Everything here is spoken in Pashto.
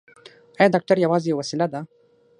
ایا ډاکټر یوازې وسیله ده؟